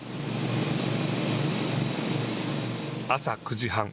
朝９時半。